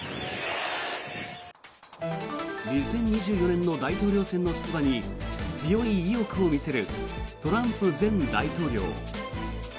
２０２４年の大統領選の出馬に強い意欲を見せるトランプ前大統領。